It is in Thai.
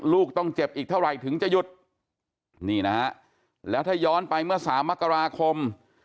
ลูกต้องเจ็บอีกเท่าไหร่ถึงจะหยุดนี่นะฮะแล้วถ้าย้อนไปเมื่อสามมกราคม